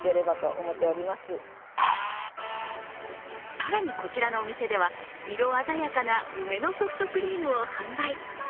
更にこちらのお店では、色鮮やかな梅のソフトクリームを販売。